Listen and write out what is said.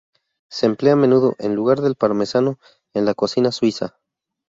Se emplea a menudo en lugar del parmesano en la cocina suiza.